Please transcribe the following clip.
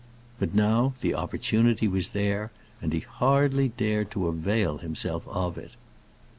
But now the opportunity was there, and he hardly dared to avail himself of it.